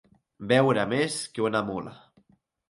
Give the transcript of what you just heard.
Beure més que una mula.